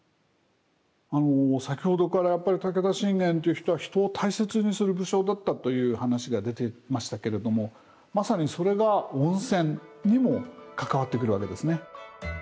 先ほどからやっぱり武田信玄という人は人を大切にする武将だったという話が出てましたけれどもまさにそれが温泉にも関わってくるわけですね。